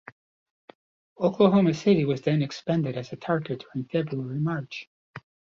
"Oklahoma City" was then expended as a target during February-March.